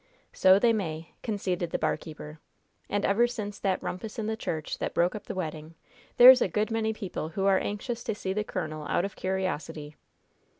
"So they may," conceded the barkeeper. "And ever since that rumpus in the church that broke up the wedding there's a good many people who are anxious to see the colonel out of curiosity."